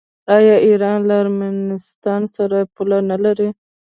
آیا ایران له ارمنستان سره پوله نلري؟